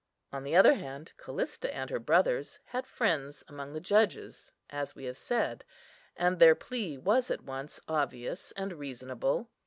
On the other hand, Callista and her brother had friends among the judges, as we have said, and their plea was at once obvious and reasonable.